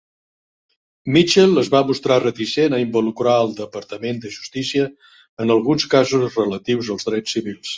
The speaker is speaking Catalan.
Mitchell es va mostrar reticent a involucrar al Departament de justícia en alguns casos relatius als drets civils.